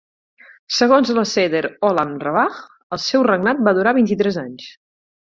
Segons la Seder Olam Rabbah, el seu regnat va durar vint-i-tres anys.